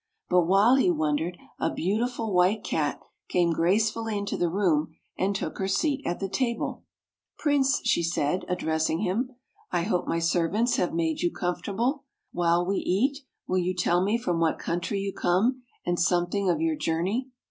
But while he wondered, a beau tiful White Cat came gracefully into the room and took her seat at the table. " Prince,'' she said, addressing him, " I hope my servants have made you comfort able. While we eat, will you tell me from what country you come, and something of your journey?